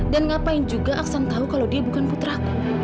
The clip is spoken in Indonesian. dan ngapain juga aksan tahu kalau dia bukan putraku